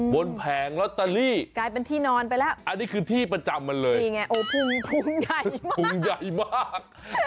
บนแผงล็อตเตอรี่อันนี้คือที่ประจำมันเลยเปลี่ยนไงโอ้ภูมิใหญ่มากภูมิใหญ่มาก